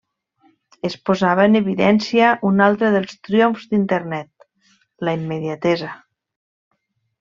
Es posava en evidència un altre dels triomfs d'Internet: la immediatesa.